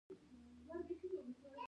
تعلیم نجونو ته د ورورګلوۍ درس ورکوي.